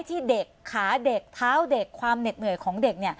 ที่เด็กขาเด็กเท้าเด็กความเหน็ดเหนื่อยของเด็ก